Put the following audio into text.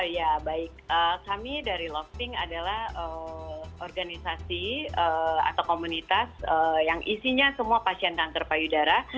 ya baik kami dari love pink adalah organisasi atau komunitas yang isinya semua pasien kanker payudara